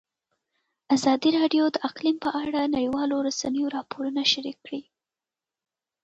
ازادي راډیو د اقلیم په اړه د نړیوالو رسنیو راپورونه شریک کړي.